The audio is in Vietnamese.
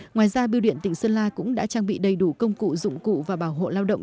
ngoài ra biêu điện tỉnh sơn la cũng đã trang bị đầy đủ công cụ dụng cụ và bảo hộ lao động